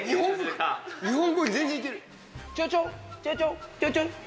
日本語、全然いける。